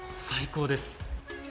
最高です。